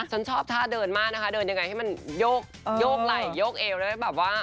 ฉันชอบท่าเดินมากนะคะเดินยังไงให้มันโยกไหล่โยกเอวแล้วแบบว่า